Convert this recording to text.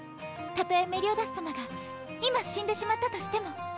たとえメリオダス様が今死んでしまったとしても。